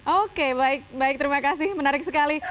oke baik baik terima kasih menarik sekali